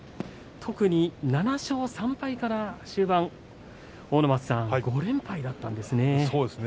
特に７勝３敗から終盤５連敗だったんですね。